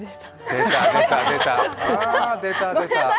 出た出た出た。